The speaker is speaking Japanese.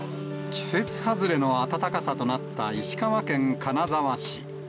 季節外れの暖かさとなった石川県金沢市。